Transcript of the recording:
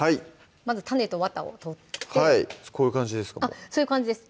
まず種とわたを取ってこういう感じですかそういう感じです